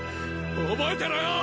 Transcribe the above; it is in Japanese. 覚えてろよ！